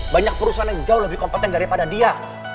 banyak perusahaan yang jauh lebih kompeten daripada dia